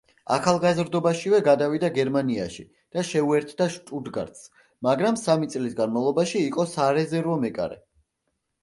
ახალგაზრდობაშივე გადავიდა გერმანიაში და შეუერთდა „შტუტგარტს“, მაგრამ სამი წლის განმავლობაში იყო სარეზერვო მეკარე.